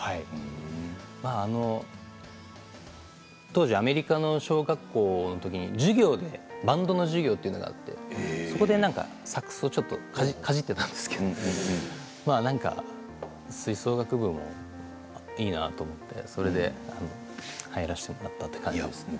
当時アメリカの小学校のときに授業でバンドの授業というのがあって、そこでサックスをかじっていたんですけれどなんか吹奏楽部もいいなと思って、それで入らせてもらったという感じですね。